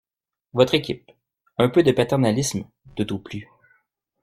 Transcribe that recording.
Votre équipe. Un peu de paternalisme, tout au plus.